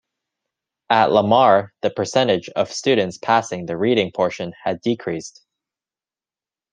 At Lamar the percentage of students passing the reading portion had decreased.